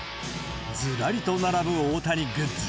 ずらりと並ぶ大谷グッズ。